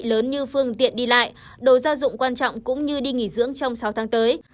những nhà trị lớn như phương tiện đi lại đồ gia dụng quan trọng cũng như đi nghỉ dưỡng trong sáu tháng tới